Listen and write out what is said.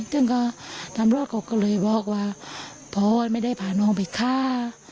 ซึ่งก็ตำรวจเขาก็เลยบอกว่าพ่อไม่ได้พาน้องไปฆ่า